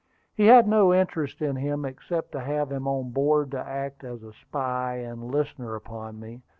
He had no interest in him, except to have him on board to act as a spy and listener upon me.